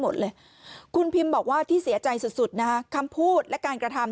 หมดเลยคุณพิมบอกว่าที่เสียใจสุดสุดนะฮะคำพูดและการกระทำ